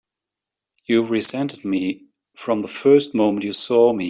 You've resented me from the first moment you saw me!